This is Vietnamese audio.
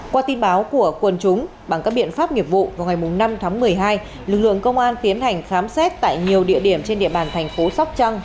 qua tin báo của quân chúng bằng các biện pháp nghiệp vụ vào ngày năm tháng một mươi hai lực lượng công an tiến hành khám xét tại nhiều địa điểm trên địa bàn thành phố sóc trăng